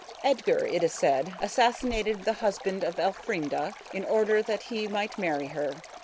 Edgar, it is said, assassinated the husband of Elfrida in order that he might marry her.